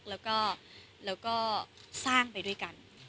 แล้วก็แล้วก็สร้างไปด้วยกัน